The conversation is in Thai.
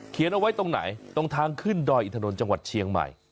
เอาไว้ตรงไหนตรงทางขึ้นดอยอินทนนท์จังหวัดเชียงใหม่